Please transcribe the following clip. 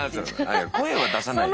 いや声は出さないで。